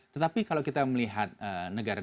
tetapi kalau kita melihat negara